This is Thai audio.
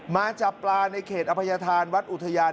มาจับปลาในเขตอภัยธานวัดอุทยาน